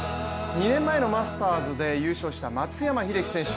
２年前のマスターズで優勝した松山英樹選手。